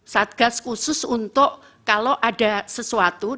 satgas khusus untuk kalau ada sesuatu